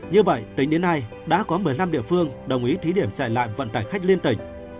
như vậy tính đến nay đã có một mươi năm địa phương đồng ý thí điểm dạy lại vận tải khách liên tỉnh